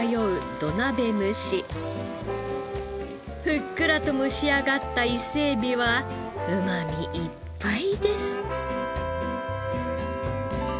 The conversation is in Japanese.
ふっくらと蒸し上がった伊勢エビはうまみいっぱいです。